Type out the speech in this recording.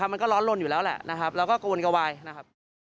มันก็ร้อนลนอยู่แล้วนะครับเราก็โกนกระวายนะครับ